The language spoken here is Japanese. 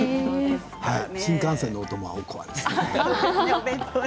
新幹線のお供は、おこわです。